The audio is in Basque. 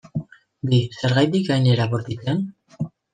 Bi, zergatik hain era bortitzean?